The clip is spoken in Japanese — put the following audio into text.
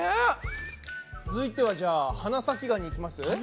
続いてはじゃあ花咲ガニいきます？